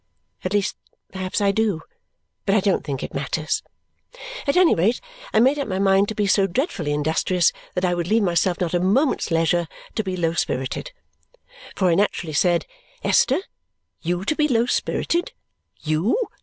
At least, perhaps I do, but I don't think it matters. At any rate, I made up my mind to be so dreadfully industrious that I would leave myself not a moment's leisure to be low spirited. For I naturally said, "Esther! You to be low spirited. YOU!"